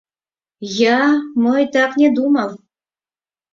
Я... мый... так не думал.